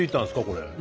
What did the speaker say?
これ。